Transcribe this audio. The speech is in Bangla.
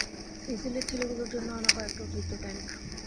এটা সীলের ছেলেগুলোর জন্য আনা কয়েকটা অতিরিক্ত ট্যাঙ্ক।